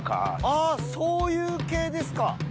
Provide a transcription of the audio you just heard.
あぁそういう系ですか。